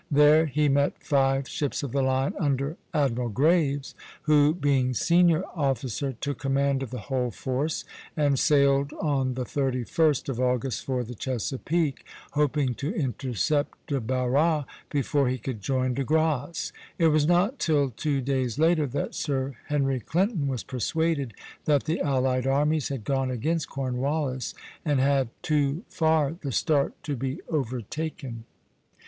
There he met five ships of the line under Admiral Graves, who, being senior officer, took command of the whole force and sailed on the 31st of August for the Chesapeake, hoping to intercept De Barras before he could join De Grasse. It was not till two days later that Sir Henry Clinton was persuaded that the allied armies had gone against Cornwallis, and had too far the start to be overtaken.